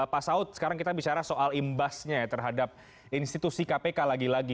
pak saud sekarang kita bicara soal imbasnya ya terhadap institusi kpk lagi lagi